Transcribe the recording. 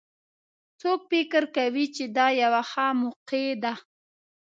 څوک فکر کوي چې دا یوه ښه موقع ده